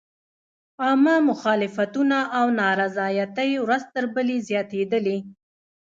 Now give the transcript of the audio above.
عامه مخالفتونه او نارضایتۍ ورځ تر بلې زیاتېدلې.